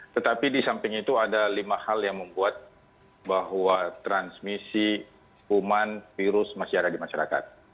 tetapi di samping itu ada lima hal yang membuat bahwa transmisi kuman virus masih ada di masyarakat